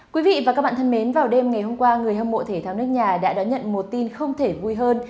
quý vị và các bạn thân mến vào đêm ngày hôm qua người hâm mộ thể thao nước nhà đã đón nhận một tin không thể vui hơn